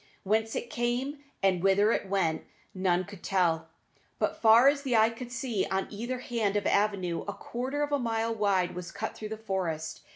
Whence it came and whither it went none could tell, but far as the eye could see on either hand an avenue a quarter of a mile wide was cut through the forest.